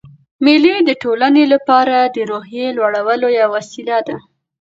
مېلې د ټولنې له پاره د روحیې لوړولو یوه وسیله ده.